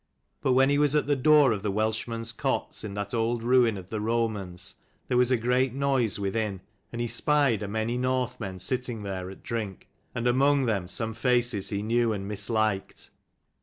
But when he was at the door of the Welshmen's cots, in that old ruin of the Romans, there was a great noise within ; and he spied a many Northmen sitting there at drink, and among them some faces he knew and misliked.